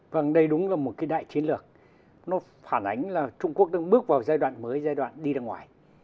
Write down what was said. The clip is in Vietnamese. vâng đây đúng là một cái đại chiến lược nó phản ánh là trung quốc đang bước vào giai đoạn mới giai đoạn đi ra ngoài